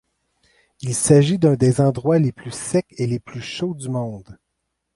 Il s'agit d'un des endroits les plus secs et les plus chauds du monde.